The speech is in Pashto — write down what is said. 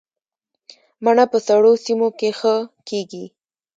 مڼه په سړو سیمو کې ښه کیږي